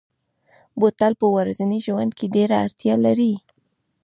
بوتل په ورځني ژوند کې ډېره اړتیا لري.